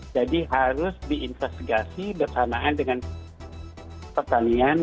jadi harus diinvestigasi bersamaan dengan pertanian